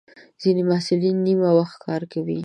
ځینې محصلین د نیمه وخت کار کوي.